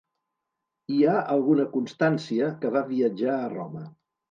Hi ha alguna constància que va viatjar a Roma.